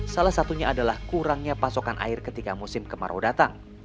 salah satunya adalah kurangnya pasokan air ketika musim kemarau datang